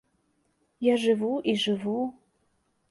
Я жыву, і жыву.